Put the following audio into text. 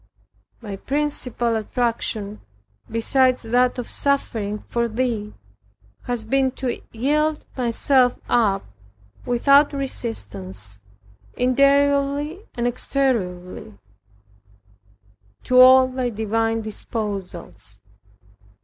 My principal attraction, besides that of suffering for Thee, has been to yield myself up without resistance, interiorly and exteriorly, to all Thy divine disposals.